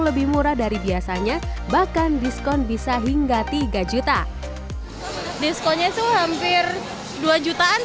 lebih murah dari biasanya bahkan diskon bisa hingga tiga juta diskonnya itu hampir dua jutaan